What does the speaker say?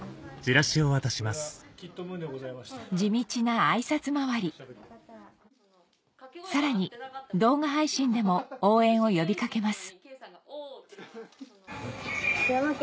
地道なあいさつ回りさらに動画配信でも応援を呼び掛けます